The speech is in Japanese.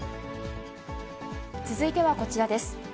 続いてはこちらです。